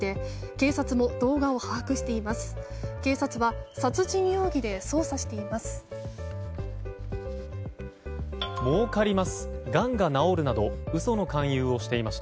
警察は殺人容疑で捜査しています。